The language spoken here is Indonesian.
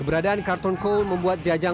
keberadaan carlton cole membuat jajang nur jaman